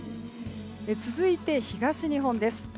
続いて、東日本です。